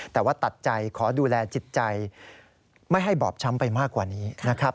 แต่ว่าตัดใจขอดูแลจิตใจไม่ให้บอบช้ำไปมากกว่านี้นะครับ